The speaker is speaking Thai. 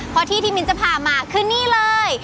เพราะที่ที่มิ้นจะพามาคือนี่เลย